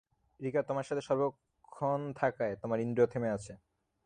রিকা তোমার সাথে সর্বক্ষণ থাকায়, তোমার ইন্দ্রিয় থেমে আছে।